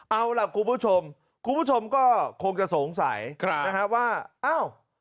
เอาล่ะคุณผู้ชมคุณผู้ชมก็คงจะสงสัยนะฮะว่าอ้าว